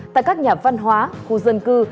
tại các nhà văn hóa khu dân cư